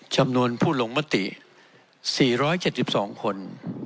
จำนวนผู้หลงมติสี่ร้อยเจ็บสองคน